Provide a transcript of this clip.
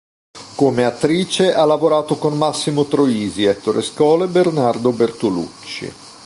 Come attrice ha lavorato con Massimo Troisi, Ettore Scola e Bernardo Bertolucci.